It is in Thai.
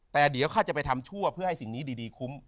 แต่เดี๋ยวข้าจะไปทำชั่วเพื่อให้สิ่งนี้ดีคุ้ม